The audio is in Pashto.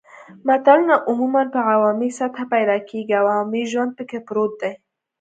متلونه عموماً په عوامي سطحه پیدا کیږي او عوامي ژوند پکې پروت وي